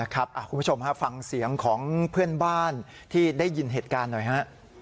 คุณผู้ชมฟังเสียงของเพื่อนบ้านที่ได้ยินเหตุการณ์หน่อยฮะ